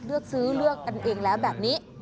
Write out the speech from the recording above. เลือกซื้อเลือกกันเองแล้วแบบนี้